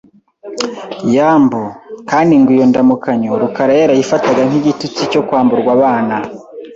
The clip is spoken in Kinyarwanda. « Yambu» kandi ngo iyo ndamukanyo Rukara yarayifataga nk’igitutsi cyo kwamburwa abana,